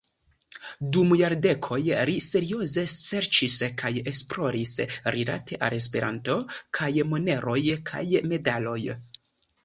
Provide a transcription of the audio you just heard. Dum jardekoj li serioze serĉis kaj esploris rilate al Esperanto kaj moneroj kaj medaloj.